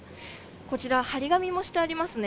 こちら張り紙もしてありますね。